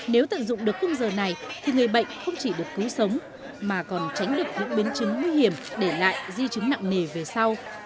nếu tận dụng được khung giờ này thì người bệnh không chỉ được cứu sống mà còn tránh được những biến chứng nguy hiểm để lại di chứng nặng nề về sau